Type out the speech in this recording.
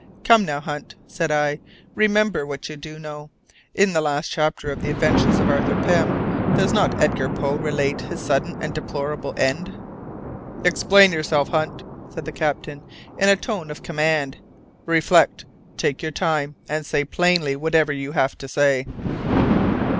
"Come now, Hunt," said I, "remember what you do know. In the last chapter of the adventures of Arthur Pym, does not Edgar Poe relate his sudden and deplorable end?" "Explain yourself, Hunt," said the captain, in a tone of command. "Reflect, take your time, and say plainly whatever you have to say."